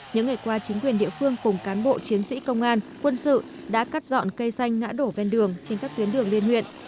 những ngày qua chính quyền địa phương cùng cán bộ chiến sĩ công an quân sự đã cắt dọn cây xanh ngã đổ bên đường trên các tuyến đường liên huyện